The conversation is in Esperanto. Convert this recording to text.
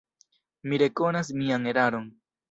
Mi rekonas mian eraron.